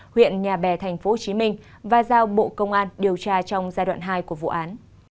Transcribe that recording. huyện nhà bè tp hcm và giao bộ công an điều tra trong giai đoạn hai của vụ án